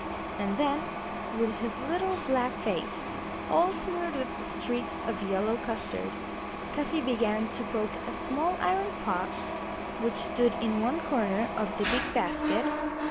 And then, with his little black face all smeared with streaks of yellow custard, Cuffy began to poke a small iron pot which stood in one corner of the big basket.